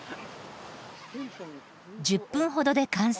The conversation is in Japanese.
１０分ほどで完成。